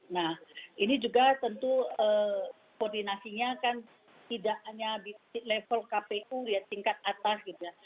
nah ini juga tentu koordinasinya kan tidak hanya di level kpu ya tingkat atas gitu ya